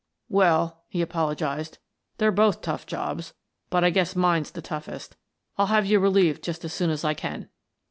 " Well," he apologized, " they're both tough jobs, but I guess mine's the toughest. I'll have you re lieved just as soon as I can."